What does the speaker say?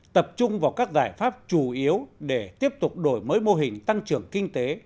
tập trung vào các giải pháp chủ yếu để tiếp tục đổi mới mô hình tăng trưởng kinh tế